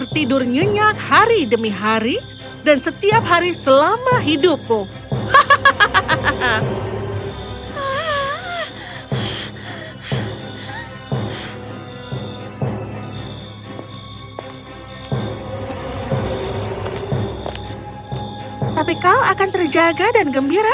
tidurnya hari demi hari dan setiap hari selama hidupmu tapi kau akan terjaga dan gembira